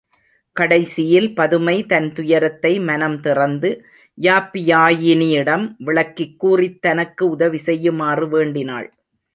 கடைசியில் பதுமை தன் துயரத்தை மனம் திறந்து யாப்பியாயினியிடம் விளக்கிக் கூறித் தனக்கு உதவி செய்யுமாறு வேண்டினாள்.